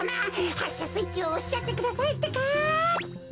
はっしゃスイッチをおしちゃってくださいってか。